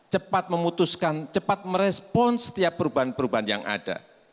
cepat memutuskan cepat merespon setiap perubahan perubahan yang ada